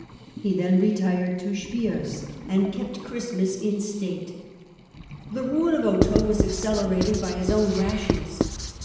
He then retired to Spiers and kept Christmas in state. The ruin of Otho was accelerated by his own rash ness.